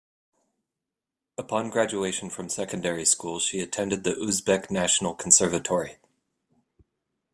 Upon graduation from secondary school, she attended the Uzbek National Conservatory.